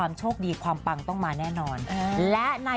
กับพี่ฮายไปด้วยกัน